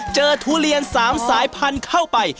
เจอทุเรียนสามสายพันเข้าไป